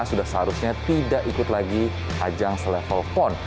sudah seharusnya tidak ikut lagi ajang se level pon